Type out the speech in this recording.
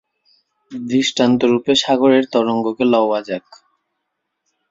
দৃষ্টান্তরূপে সাগরের তরঙ্গকে লওয়া যাক।